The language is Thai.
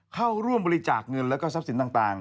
เข้าร่วมบริจาคเงินแล้วก็ทรัพย์สินต่าง